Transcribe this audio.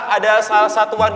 ada salah satu warga